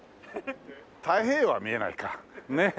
太平洋は見えないかねえ。